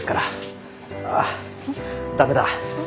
あっ駄目だ。